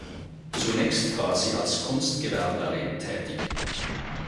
Zunächst war sie als Kunstgewerblerin tätig.